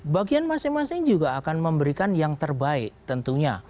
bagian masing masing juga akan memberikan yang terbaik tentunya